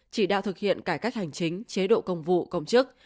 chỉ đạo thực hiện cải cách hành chính chế độ công vụ công chức